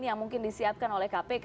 yang mungkin disiapkan oleh kpk